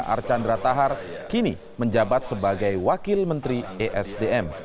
archandra tahar kini menjabat sebagai wakil menteri esdm